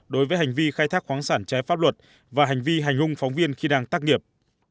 đối với hành vi khai thác khoáng sản trái pháp luật và hành vi hành hung phóng viên khi đang tác nghiệp